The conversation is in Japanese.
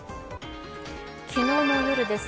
昨日の夜です。